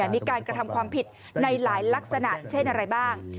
มีการกระทำความผิดในหลายลักษณะเช่นอะไรบ้าง